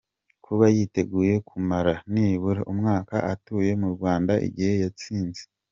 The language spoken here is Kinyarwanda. Kuba yiteguye kumara nibura umwaka atuye mu Rwanda, igihe yatsinze.